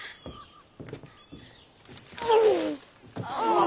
ああ。